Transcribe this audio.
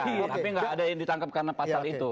tapi gak ada yang ditangkep karena fatal itu